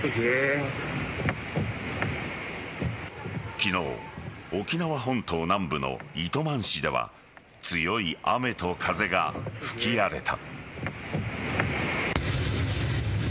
昨日、沖縄本島南部の糸満市では強い雨と風が吹き荒れた。